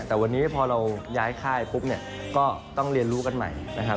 แต่วันนี้พอเราย้ายค่ายปุ๊บก็ต้องเรียนรู้กันใหม่